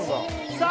さあ